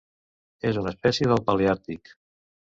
És una espècie del paleàrtic.